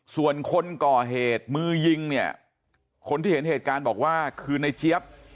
ส่วนคนก่อเหตุมือยิงเนี่ยคนที่เห็นเหตุการณ์บอกว่าคือในเจี๊ยบ